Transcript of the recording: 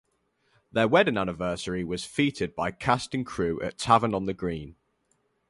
Their wedding anniversary was feted by cast and crew at Tavern on the Green.